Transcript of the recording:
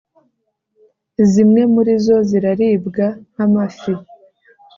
zimwe muri zo ziraribwa nk’amafi ,